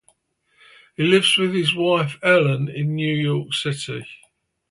He lives with his wife, Ellen, in New York City.